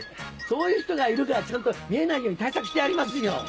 そういう人がいるからちゃんと見えないように対策してありますよ！